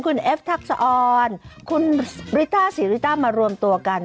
คุณเอฟทักษะออนคุณริต้าศรีริต้ามารวมตัวกัน